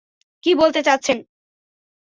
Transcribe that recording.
কী বলতে চাচ্ছেন?